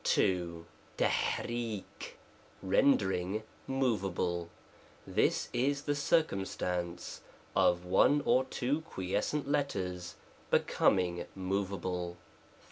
II. * j rendering moveaWe this is the circum stance of one of two quiescent letters becoming moveable.